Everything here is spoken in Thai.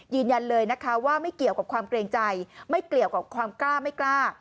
ยืนยันเลยนะคะว่าไม่เกี่ยวกับความเกรงใจไม่เกี่ยวกับความกล้าไม่กล้า